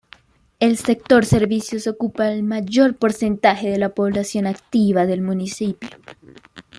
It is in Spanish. El sector servicios ocupa al mayor porcentaje de población activa del municipio.